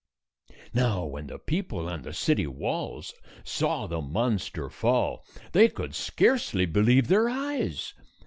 Now when the people on the city walls saw the monster fall, they could scarcely believe their eyes.